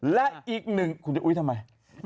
และอีกหนึ่งคุณจะอุ๊ยทำไม